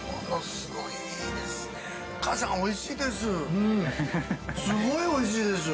すごいおいしいです。